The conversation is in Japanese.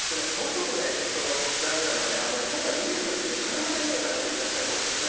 もう一つね、大事なのは、今回、逃げるときにね、車で逃げた方いらっしゃるんですよ。